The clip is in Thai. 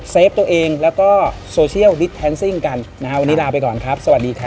สวัสดีครับ